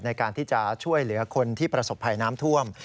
ในการที่จะช่วยเหลือคนที่ประสบภัยน้ำท่วม